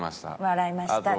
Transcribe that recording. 笑いましたね。